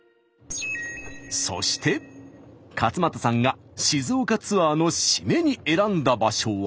そして勝俣さんが静岡ツアーの締めに選んだ場所は。